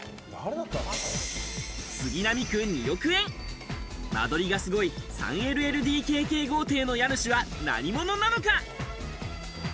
杉並区、２億円、間取りがすごい、３ＬＬＤＫＫ豪邸の家主は何者なのか？